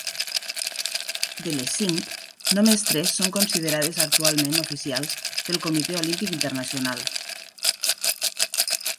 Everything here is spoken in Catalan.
De les cinc, només tres són considerades actualment oficials pel Comitè Olímpic Internacional.